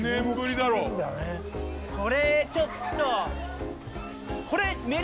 これちょっと。